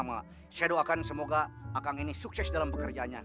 saya doakan semoga akang ini sukses dalam pekerjaannya